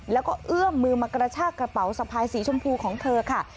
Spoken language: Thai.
แล้วก็เอื้อมมือมากระชากระเป๋าสะพายสีชมพูของเธอค่ะ